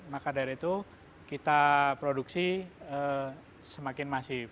maka dari itu kita produksi semakin masif